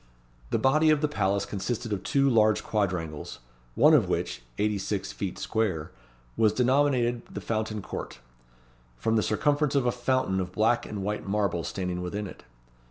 The body of the palace consisted of two large quadrangles: one of which, eighty six feet square, was denominated the Fountain Court, from the circumstance of a fountain of black and white marble standing within it.